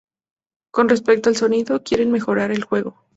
Con respecto al sonido, quieren mejorar el juego.